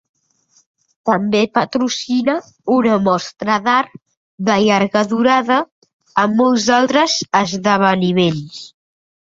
També patrocina una mostra d'art de llarga durada amb molts altres esdeveniments.